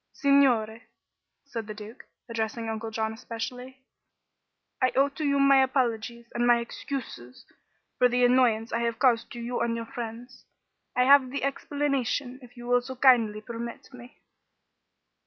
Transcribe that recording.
"Signore," said the Duke, addressing Uncle John especially, "I owe to you my apologies and my excuses for the annoyance I have caused to you and your friends. I have the explanation, if you will so kindly permit me."